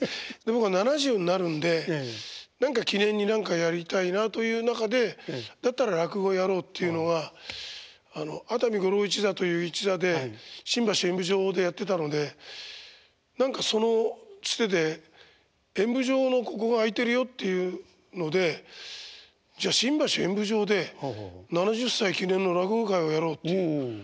僕は７０になるんで何か記念に何かやりたいなという中でだったら落語やろうっていうのは熱海五郎一座という一座で新橋演舞場でやってたので何かそのつてで演舞場のここが空いてるよっていうのでじゃ新橋演舞場で７０歳記念の落語会をやろうっていう。